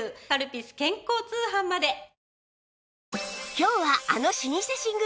今日はあの老舗寝具